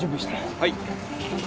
はい。